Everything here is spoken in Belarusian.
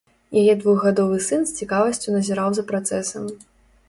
Яе двухгадовы сын з цікавасцю назіраў за працэсам.